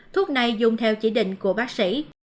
thuốc này dùng theo chỉ định của bác sĩ